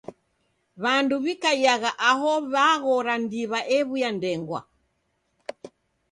W'andu w'ikaiagha aho w'aghora ndiwa ew'uya ndengwa.